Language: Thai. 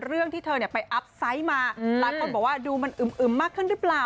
เรื่องที่เธอไปอัพไซต์มาหลายคนบอกว่าดูมันอึมมากขึ้นหรือเปล่า